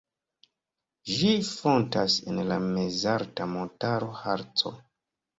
Ĝi fontas en la mezalta montaro Harco.